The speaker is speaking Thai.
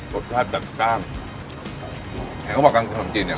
สุดท้ายแบดต้านเห็นไหมว่ากางทิศของจีนเนี้ย